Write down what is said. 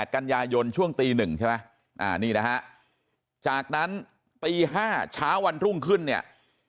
กันยายนช่วงตี๑ใช่ไหมนี่นะฮะจากนั้นตี๕เช้าวันรุ่งขึ้นเนี่ย